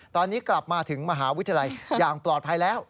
ตอนนี้กลับมาถึงมหาวิทยาลัยอย่างปลอดภัยแล้ว